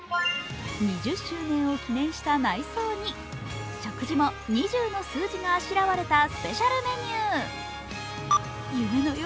２０周年を記念した内装に食事も「２０」の数字があしらわれたスペシャルメニュー。